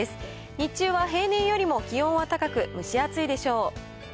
日中は平年よりも気温は高く、蒸し暑いでしょう。